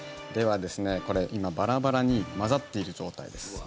ではですねこれ今バラバラに交ざっている状態です。